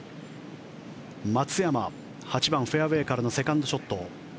松山８番、フェアウェーからのセカンドショット。